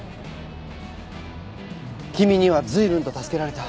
君には随分と助けられた。